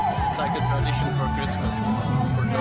tapi saya tidak tahu ini seperti tradisi untuk natal